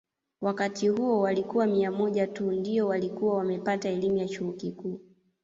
Wakati huo walikuwa mia moja tu ndio walikuwa wamepata elimu ya chuo kikuu